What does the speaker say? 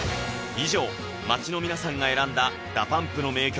以上街の皆さんが選んだ「ＤＡＰＵＭＰ」の名曲